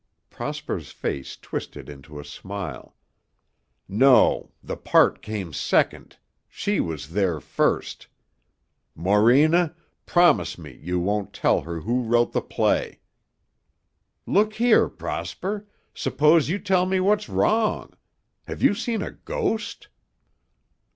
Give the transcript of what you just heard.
Prosper's face twisted into a smile. "No. The part came second, she was there first. Morena, promise me you won't tell her who wrote the play." "Look here, Prosper, suppose you tell me what's wrong. Have you seen a ghost?"